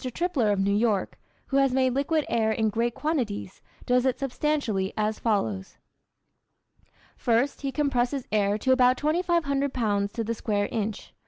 Tripler of New York, who has made liquid air in great quantities, does it substantially as follows: First, he compresses air to about 2500 pounds to the square inch.